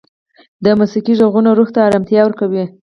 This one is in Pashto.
د موسیقۍ ږغونه روح ته ارامتیا ورکوي.